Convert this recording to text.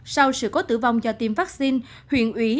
sau sự cố tử vong do tiêm vaccine huyện ủy